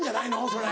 それ。